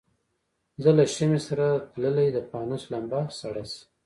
زه له شمعي سره تللی د پانوس لمبه سړه سي